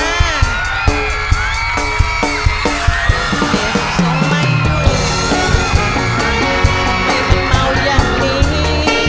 ๑๒ไม่มีทำไมมันเหมาอย่างนี้